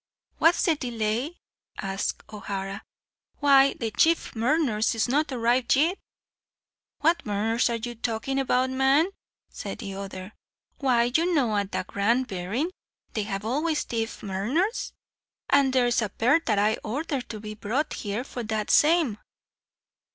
"What's the delay?" asked O'Hara. "Why, the chief murners is not arrived yit." "What murners are you talkin' about, man?" said the other. "Why, you know, at a grand berrin' they have always thief murners, and there's a pair that I ordhered to be brought here for that same."